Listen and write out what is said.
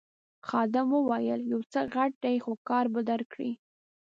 خادم وویل یو څه غټ دی خو کار به درکړي.